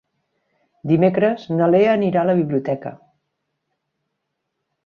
Dimecres na Lea anirà a la biblioteca.